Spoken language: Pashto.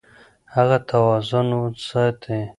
هغه توازن ساتي.